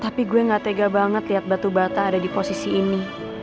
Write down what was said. tapi gue gak tega banget liat batu bata ada di kota gue